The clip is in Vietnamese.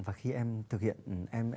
và khi em thực hiện